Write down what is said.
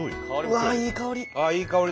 うわっいい香り。